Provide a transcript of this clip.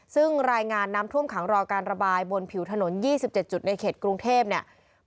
ซึ่งรายงานน้ำท่วมขังรอการระบายบนผิวถนน๒๗จุดในเขตกรุงเทพเนี่ย